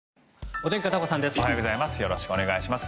おはようございます。